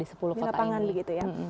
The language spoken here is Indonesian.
di lapangan begitu ya